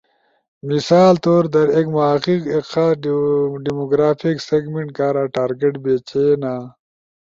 مثال طور در ایک محقق ایک خاص ڈیموگرافک سیگمنٹ کارا ٹارگٹ بیچینا۔